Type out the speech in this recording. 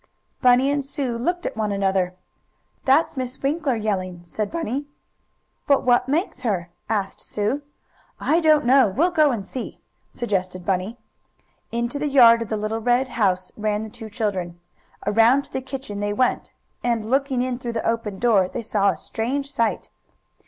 Bunny and Sue looked at one another. "That's Miss Winkler yelling!" said Bunny. "But what makes her?" asked Sue. "I don't know. We'll go and see," suggested Bunny. Into the yard of the little red house ran the two children. Around to the kitchen they went, and, looking in through the open door they saw a strange sight.